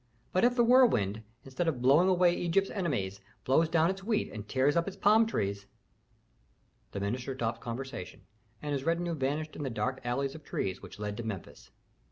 But if the whirlwind, instead of blowing away Egypt's enemies, blows down its wheat and tears up its palm trees! " The minister stopped conversation, and his retinue vanished in the dark alley of trees which led to Memphis.